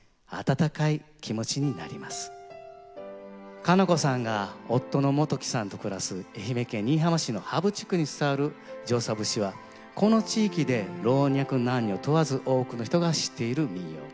加奈子さんが夫の幹さんと暮らす愛媛県新居浜市の垣生地区に伝わる「じょうさ節」はこの地域で老若男女問わず多くの人が知っている民謡。